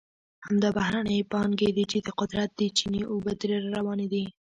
همدا بهرنۍ پانګې دي چې د قدرت د چینې اوبه ترې را روانې دي.